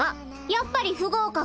やっぱり不合格。